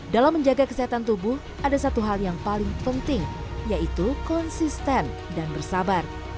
dalam menjaga kesehatan tubuh ada satu hal yang paling penting yaitu konsisten dan bersabar